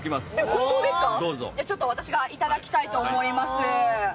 ホントですか、私がいただきたいと思います。